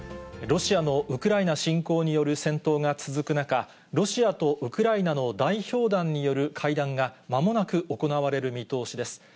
ロシアのウクライナ侵攻による戦闘が続く中、ロシアとウクライナの代表団による会談がまもなく行われる見通しです。